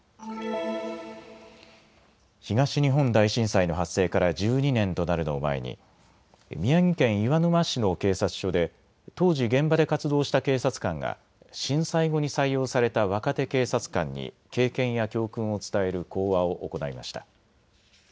東日本大震災の発生から１２年となるのを前に宮城県岩沼市の警察署で当時、現場で活動した警察官が震災後に採用された若手警察官に経験や教訓を伝える講話を行いました。